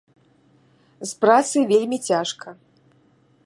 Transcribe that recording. З працай вельмі цяжка.